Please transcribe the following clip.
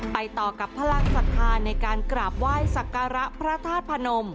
ไปต่อกับพลังศรัทธาในการกราบไหว้สักการะพระธาตุพนม